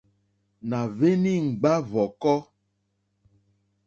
Nà hweni ŋgba hvɔ̀kɔ.